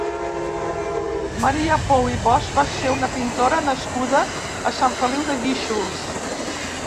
Maria Pou i Bosch va ser una pintora nascuda a Sant Feliu de Guíxols.